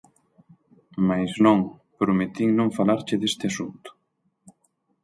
Mais non: prometín non falarche deste asunto.